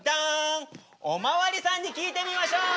お巡りさんに聞いてみましょう！